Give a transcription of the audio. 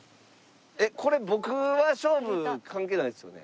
えっこれ僕は勝負関係ないですよね？